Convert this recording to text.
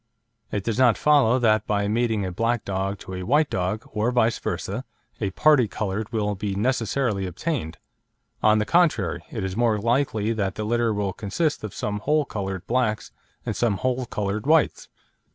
It does not follow that by mating a black dog to a white bitch, or vice versa, a parti coloured will be necessarily obtained; on the contrary, it is more likely that the litter will consist of some whole coloured blacks, and some whole coloured whites.